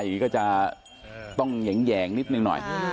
อย่างนี้ก็จะต้องแหย่งนิดนึงหน่อย